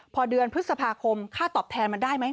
พอเดือนพฤษภาคมค่าตอบแทนมันได้ไหม